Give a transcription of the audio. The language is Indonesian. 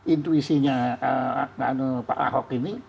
intuisinya pak ahok ini